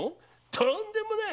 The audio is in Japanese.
とんでもない！